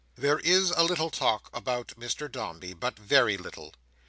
There is a little talk about Mr Dombey, but very little.